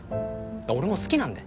俺も好きなんで！